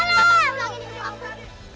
kalian gak apa apa